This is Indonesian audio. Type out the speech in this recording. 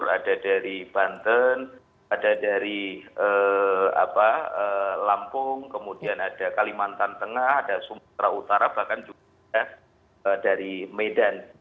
ada dari banten ada dari lampung kemudian ada kalimantan tengah ada sumatera utara bahkan juga dari medan